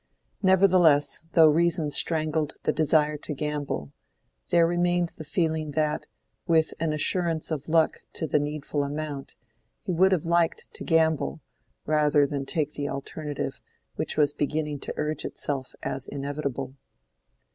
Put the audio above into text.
Nevertheless, though reason strangled the desire to gamble, there remained the feeling that, with an assurance of luck to the needful amount, he would have liked to gamble, rather than take the alternative which was beginning to urge itself as inevitable.